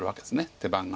手番が。